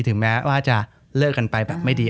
ถึงแม้ว่าจะเลิกกันไปแบบไม่ดี